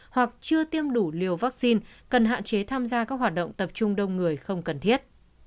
hoặc chưa tiêm đủ liều vaccine cần hạn chế tham gia các hoạt động tập trung đông người không cần thiết